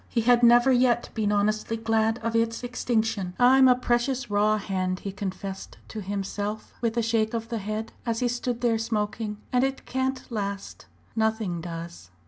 He had never yet been honestly glad of its extinction. "I'm a precious raw hand," he confessed to himself with a shake of the head as he stood there smoking. "And it can't last nothing does."